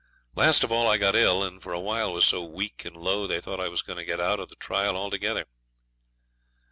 Last of all I got ill, and for a while was so weak and low they thought I was going to get out of the trial altogether.